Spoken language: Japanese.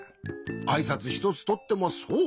あいさつひとつとってもそう。